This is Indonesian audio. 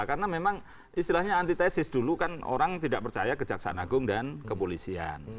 karena memang istilahnya antitesis dulu kan orang tidak percaya kejaksaan agung dan kepolisian